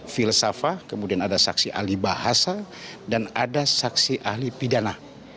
filsafah kemudian ada saksi ahli bahasa dan ada saksi ahli pidana